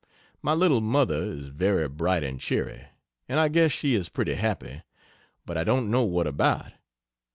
My little mother is very bright and cheery, and I guess she is pretty happy, but I don't know what about.